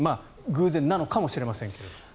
偶然なのかもしれませんけど。